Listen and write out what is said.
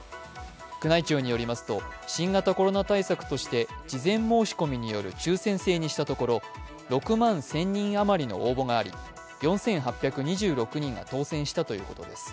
宮内庁によりますと、新型コロナ対策として事前申し込みによる抽選制にしたところ、６万１０００人余りの応募があり、４８２６人が当選したということです。